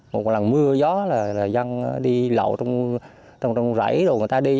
một lần mưa gió là dân đi lậu trong rẫy rồi người ta đi